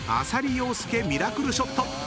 ［浅利陽介ミラクルショット！］